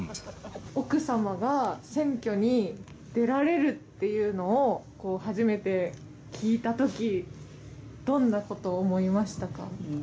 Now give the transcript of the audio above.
奥様が選挙に出られるっていうのを、初めて聞いたとき、どんなことを思いましたか。